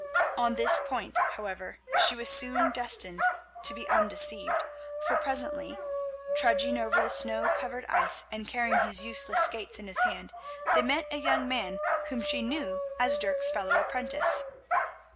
On this point, however, she was soon destined to be undeceived, for presently, trudging over the snow covered ice and carrying his useless skates in his hand, they met a young man whom she knew as Dirk's fellow apprentice.